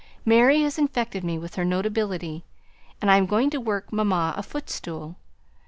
Mary has infected me with her notability, and I'm going to work mamma a footstool.